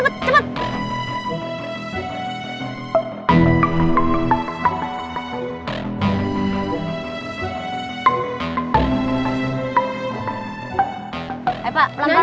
eh pak pelan pelan pak